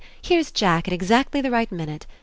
Here's Jack at exactly the right minute.